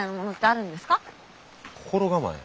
心構え？